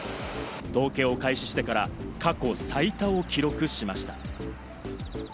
統計を開始してから、過去最多を記録しました。